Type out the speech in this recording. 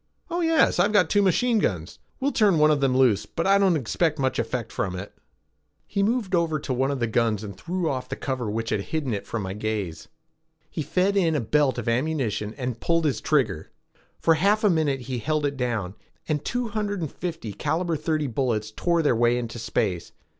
"Oh yes, I've got two machine guns. We'll turn one of them loose, but I don't expect much effect from it." He moved over to one of the guns and threw off the cover which had hidden it from my gaze. He fed in a belt of ammunition and pulled his trigger. For half a minute he held it down, and two hundred and fifty caliber thirty bullets tore their way into space.